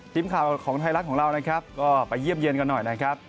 ทีมข่าวของไทยรัฐของเรานะครับก็ไปเยี่ยมเยี่ยนกันหน่อยนะครับ